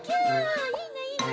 いいねいいね！